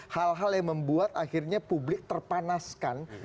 hal hal yang membuat akhirnya publik terpanaskan